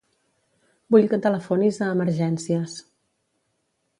Vull que telefonis a Emergències.